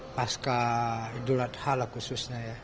itu adalah hal khususnya ya